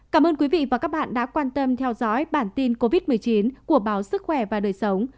cảm ơn quý vị và các bạn đã quan tâm theo dõi bản tin covid một mươi chín của báo sức khỏe và đời sống